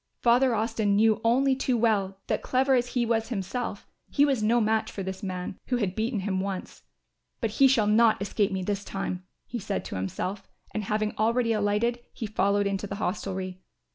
Father Austin knew only too well that, clever as he was himself, he was no match for this man, who had beaten him once; "But he shall not escape me this time," he said to himself, and having already alighted, he followed into the hostelry.